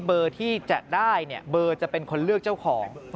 เบอร์ที่จะได้เนี่ยเบอร์จะเป็นคนเลือกเจ้าของ